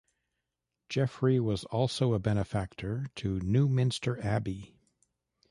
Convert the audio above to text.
Geoffrey also was a benefactor to Newminster Abbey.